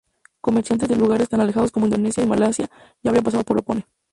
Comerciantes de lugares tan alejados como Indonesia y Malasia ya habrían pasado por Opone.